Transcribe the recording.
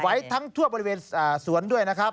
ไว้ทั้งทั่วบริเวณสวน